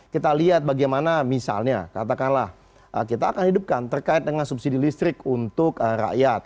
kita lihat bagaimana misalnya katakanlah kita akan hidupkan terkait dengan subsidi listrik untuk rakyat